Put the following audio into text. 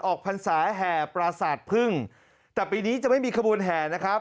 พรรษาแห่ปราสาทพึ่งแต่ปีนี้จะไม่มีขบวนแห่นะครับ